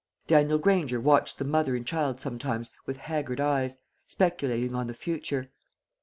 Daniel Granger watched the mother and child sometimes with haggard eyes, speculating on the future.